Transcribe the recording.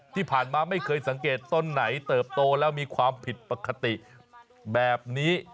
ที่ผ่านมาไม่เคยสังเกตต้นไหนเติบโตแล้วมีความผิดปกติแบบนี้